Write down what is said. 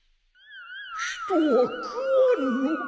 人は食わんのか